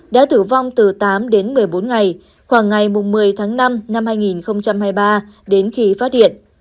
đã tử vong từ tám đến một mươi bốn ngày khoảng ngày một mươi tháng năm năm hai nghìn hai mươi ba đến khi phát hiện